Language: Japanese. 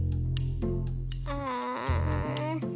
ああ。